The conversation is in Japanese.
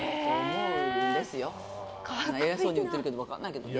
偉そうに言っているけど分からないけどね。